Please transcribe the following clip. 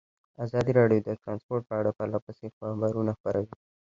ازادي راډیو د ترانسپورټ په اړه پرله پسې خبرونه خپاره کړي.